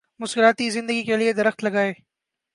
مسکراتی زندگی کے لیے درخت لگائیں۔